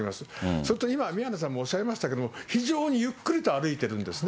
それと今、宮根さんもおっしゃいましたけれども、非常にゆっくりと歩いてるんですね。